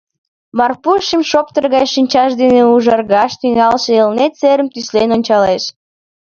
Марпуш шемшоптыр гай шинчаж дене ужаргаш тӱҥалше Элнет серым тӱслен ончалеш.